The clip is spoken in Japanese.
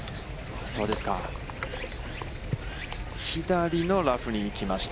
左のラフに行きました。